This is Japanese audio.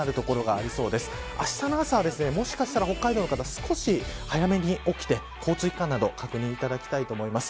あしたの朝は、もしかしたら北海道の方、少し早めに起きて交通機関など確認いただきたいと思います。